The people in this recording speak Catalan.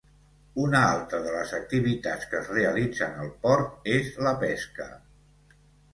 Una altra de les activitats que es realitzen al port és la pesca.